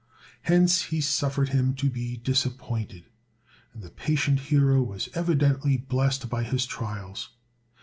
Hence he suffered him to be disappointed, and the patient hero was evidently blessed by his trials.